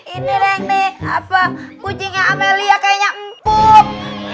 ini renk nek apa kucingnya amalia kayaknya empuk